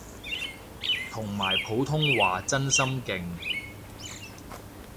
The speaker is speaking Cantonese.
同埋普通話真心勁